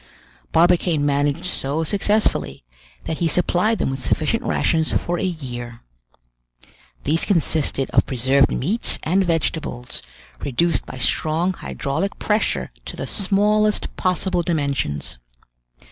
Barbicane managed so successfully, that he supplied them with sufficient rations for a year. These consisted of preserved meats and vegetables, reduced by strong hydraulic pressure to the smallest possible dimensions.